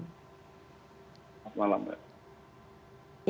selamat malam mbak